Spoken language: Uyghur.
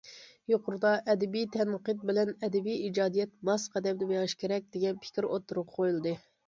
يۇقىرىدا ئەدەبىي تەنقىد بىلەن ئەدەبىي ئىجادىيەت ماس قەدەمدە مېڭىش كېرەك دېگەن پىكىر ئوتتۇرىغا قويۇلدى.